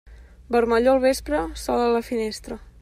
Vermellor al vespre, sol a la finestra.